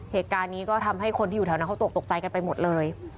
เหตุการณ์นี้ก็ทำให้คนที่อยู่แถวนั้นเขาตกตกใจกันไปหมดเลย